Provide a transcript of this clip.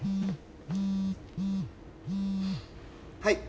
はい。